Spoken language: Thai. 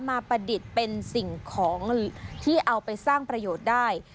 ประดิษฐ์เป็นสิ่งของที่เอาไปสร้างประโยชน์ได้